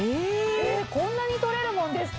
こんなに取れるもんですか。